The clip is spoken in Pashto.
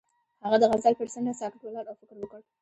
هغه د غزل پر څنډه ساکت ولاړ او فکر وکړ.